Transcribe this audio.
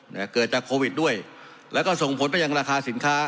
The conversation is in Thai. นะเกิดจากโควิดด้วยแล้วก็ส่งผลไปยังราคาสินค้า